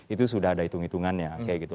itu sudah ada hitung hitungannya